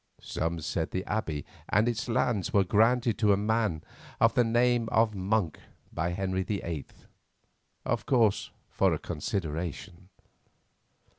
Some said the Abbey and its lands were granted to a man of the name of Monk by Henry VIII., of course for a consideration.